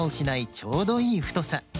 ちょうどいいふとさ。